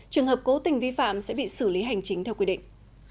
trường hợp cố tình vi phạm sẽ bị xử lý hành chính theo quy định